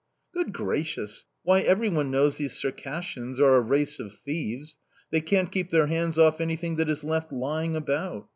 "Good gracious! Why, everyone knows these Circassians are a race of thieves; they can't keep their hands off anything that is left lying about!